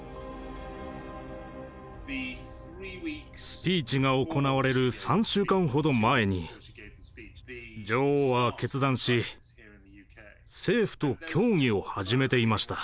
スピーチが行われる３週間ほど前に女王は決断し政府と協議を始めていました。